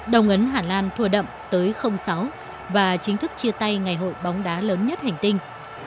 đồng ấn hà lan thua đậm tới sáu và chính thức chia tay ngày hội bóng đá lớn nhất hành tinh